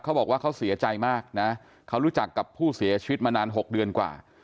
เขาบอกว่าเขาเสียใจมากนะเขารู้จักกับผู้เสียชีวิตมานาน๖เดือนกว่า